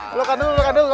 pelukan dulu pelukan dulu